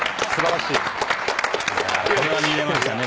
これは見れましたね。